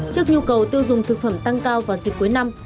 trước nhu cầu tiêu dùng thực phẩm tăng cao vào dịp cuối năm